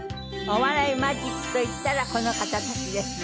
お笑いマジックといったらこの方たちです。